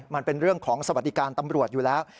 มันเป็นเรื่องของสวัสดิการตำรวจอยู่แล้ว